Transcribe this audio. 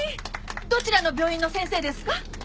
どちらの病院の先生ですか？